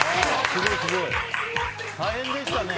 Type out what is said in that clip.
すごい。大変でしたね。